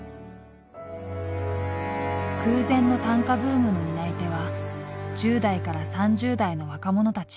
空前の短歌ブームの担い手は１０代から３０代の若者たち。